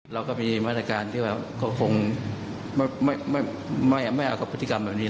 เราก็มีมาตรการที่ว่าเขาคงไม่เอากับพฤติกรรมแบบนี้